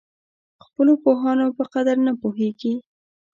خپلو پوهانو په قدر نه پوهېږي.